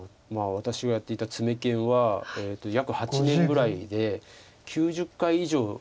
私がやっていた詰研は約８年ぐらいで９０回以上。